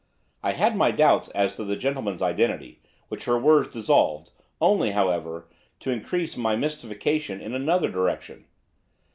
I had my doubts as to the gentleman's identity, which her words dissolved; only, however, to increase my mystification in another direction.